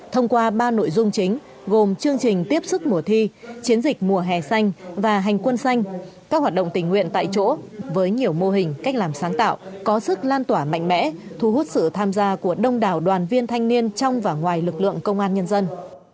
thông qua ba nội dung chính gồm chương trình tiếp sức mùa thi chiến dịch mùa hè xanh và hành quân xanh các hoạt động tình nguyện tại chỗ với nhiều mô hình cách làm sáng tạo có sức lan tỏa mạnh mẽ thu hút sự tham gia của đông đảo đoàn viên thanh niên trong và ngoài lực lượng công an nhân dân